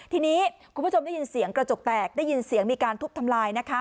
ทีนี้คุณผู้ชมได้ยินเสียงกระจกแตกได้ยินเสียงมีการทุบทำลายนะคะ